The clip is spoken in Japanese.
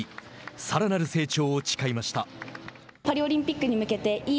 さらなる成長を誓いました。